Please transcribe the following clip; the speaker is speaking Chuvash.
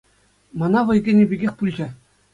Мана вӑй кӗнӗ пекех пулчӗ.